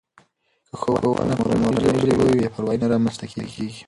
که ښوونه په مورنۍ ژبه وي نو بې پروایي نه رامنځته کېږي.